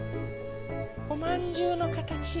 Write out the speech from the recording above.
おまんじゅうのかたち。